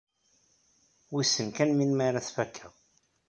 Wissen kan melmi ara t-fakkeɣ?